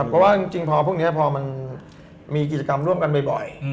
เพราะว่าจริงพอพวกนี้พอมันมีกิจกรรมร่วมกันบ่อย